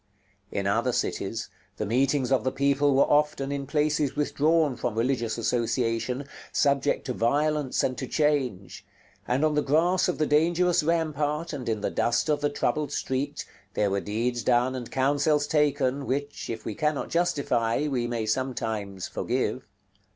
In other cities, the meetings of the people were often in places withdrawn from religious association, subject to violence and to change; and on the grass of the dangerous rampart, and in the dust of the troubled street, there were deeds done and counsels taken, which, if we cannot justify, we may sometimes forgive.